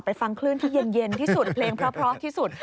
ฟังคลื่นที่เย็นที่สุดเพลงเพราะที่สุด